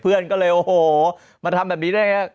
เพื่อนก็เลยโอ้โหมาทำแบบนี้ได้ไง